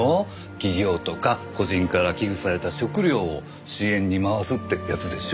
企業とか個人から寄付された食料を支援に回すってやつでしょ。